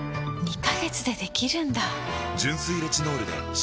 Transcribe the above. ２カ月でできるんだ！